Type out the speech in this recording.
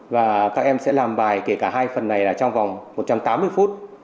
và các em sẽ làm bài kể cả hai phần này là trong vòng một trăm tám mươi phút